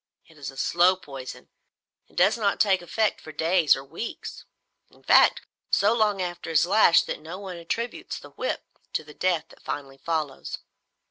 It is a slow poison it does not take effect for days or weeks. In fact, so long after his lash that no one attributes the whip cut to the death that finally follows.